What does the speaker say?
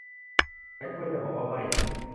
ฉันควรจะบอกว่าไม่